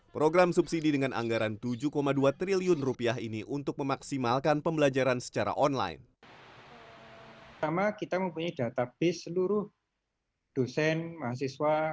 program subsidi dengan anggaran tujuh dua triliun rupiah ini untuk memaksimalkan pembelajaran secara online